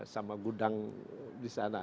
sama gudang di sana